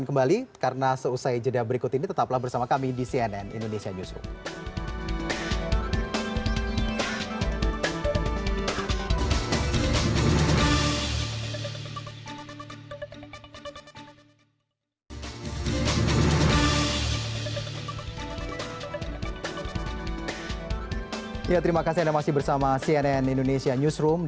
munculnya partai baru